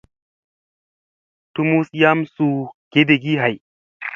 Tumus yam suy geɗgii hay.